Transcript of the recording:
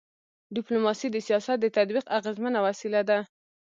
ډيپلوماسي د سیاست د تطبیق اغيزمنه وسیله ده.